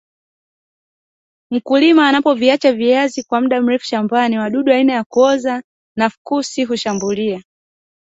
mkulima anapoviacha viazi kwa mda mrefu shamabani wadudu aina ya kuoza na fukusi hushambulia